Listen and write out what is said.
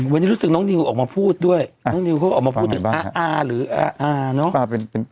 วันนี้รู้สึกน้องนิวออกมาพูดด้วยน้องนิวเขาออกมาพูดถึงอาหรืออาเนอะ